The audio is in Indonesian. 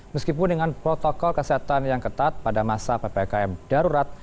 meskipun dengan protokol kesehatan yang ketat pada masa ppkm darurat